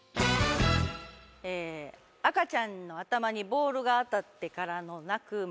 ええ赤ちゃんの頭にボールが当たってからの泣く間。